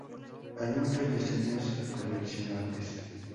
Hay muchos diseños coleccionables.